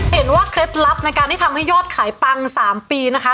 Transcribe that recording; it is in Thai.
เคล็ดลับในการที่ทำให้ยอดขายปัง๓ปีนะคะ